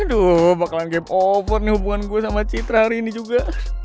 aduh bakalan game over nih hubungan gue sama citra hari ini juga